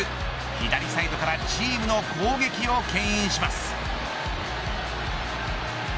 左サイドからチームの攻撃をけん引します。